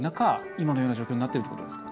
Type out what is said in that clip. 今のような状況になってるということですか。